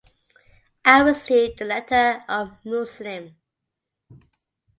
I received the letter of Muslim.